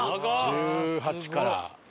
１８から。